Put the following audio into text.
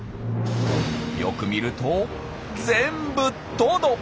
よく見ると全部トド！